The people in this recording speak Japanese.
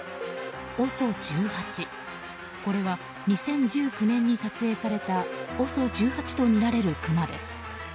これは２０１９年に撮影されたＯＳＯ１８とみられるクマです。